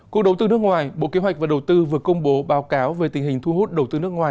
cục đầu tư nước ngoài bộ kế hoạch và đầu tư vừa công bố báo cáo về tình hình thu hút đầu tư nước ngoài